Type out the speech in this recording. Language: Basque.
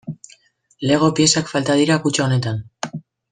Lego piezak falta dira kutxa honetan.